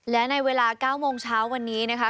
และในเวลา๙โมงเช้าวันนี้นะคะ